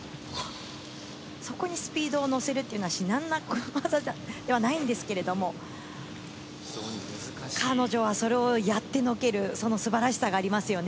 そこにスピードを乗せるというのは、至難な技ではないんですけど、彼女はそれをやってのける、その素晴らしさがありますよね。